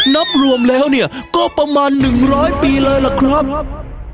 นับรวมแล้วเนี่ยก็ประมาณหนึ่งร้อยปีเลยล่ะครับ